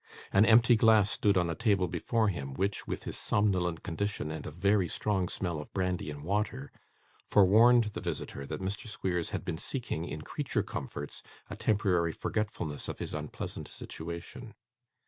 An empty glass stood on a table before him, which, with his somnolent condition and a very strong smell of brandy and water, forewarned the visitor that Mr. Squeers had been seeking, in creature comforts, a temporary forgetfulness of his unpleasant situation.